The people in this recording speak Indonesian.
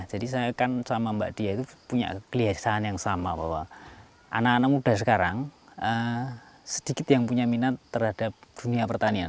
jadi saya kan sama mbak diah itu punya kelihatan yang sama bahwa anak anak muda sekarang sedikit yang punya minat terhadap dunia pertanian